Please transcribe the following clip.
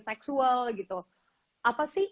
seksual gitu apa sih